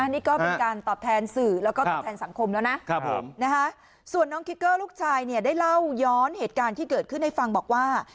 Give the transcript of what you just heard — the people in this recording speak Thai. นี่ก็เป็นการตอบแทนสื่อแล้วก็ตอบแทนสังคมแล้วนะส่วนน้องคิกเกอร์ลูกชายเนี่ยได้เล่าย้อนเหตุการณ์ที่เกิดขึ้นให้ฟังบอกว่า